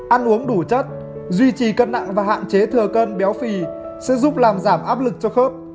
ăn uống đủ chất duy trì cân nặng và hạn chế thừa cân béo phì sẽ giúp làm giảm áp lực cho khớp